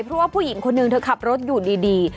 เพราะว่าผู้หญิงคนนึงเธอขับรถอยู่ดี